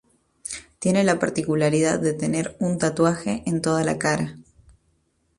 Tiene la particularidad de tener un tatuaje en toda la cara.